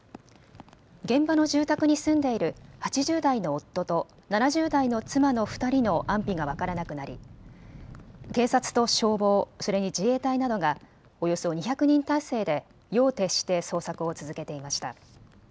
現場の住宅に住んでいる８０代の夫と７０代の妻の２人の安否が分からなくなり警察と消防、それに自衛隊などがおよそ２００人態勢で夜を徹して捜索を続けていました。